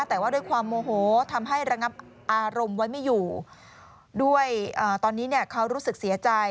แต่ว่าด้วยความโมโหทำให้ระงับอารมณ์ไว้ไม่อยู่ด้วยตอนนี้เนี่ยเขารู้สึกเสียใจ